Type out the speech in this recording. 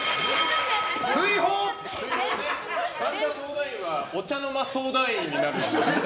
神田相談員はお茶の間相談員になるね。